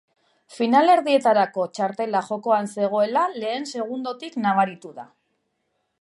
Finalerdietarako txartela jokoan zegoela lehen segundotik nabaritu da.